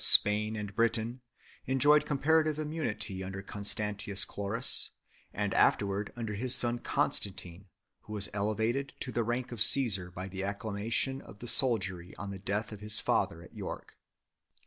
47 Spain, and Britain, enjoyed comparative immunity under Constantius Chlorus 1 , and afterwards under his son Con stantine, who was elevated to the rank of Qsesar by the acclamation of the soldiery on the death of his father at York.